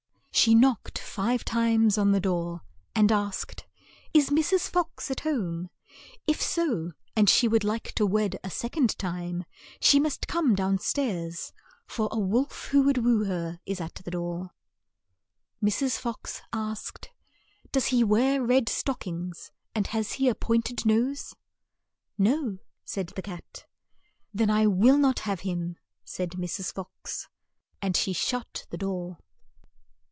She knocked five times on the door and asked, "Is Mrs. Fox at home ? If j l MRS. FOX ASKED, "DOES HE WEAR RED STOCKINGS?" so, and she would like to wed a sec ond time, she must come down stairs, for a wolf who would woo her is at the door." Mrs. Fox asked "Does he wear red stock ings, and has he a point ed nose? '' "No," said the cat. "Then I will not have him," said Mrs. Fox, and she shut the door.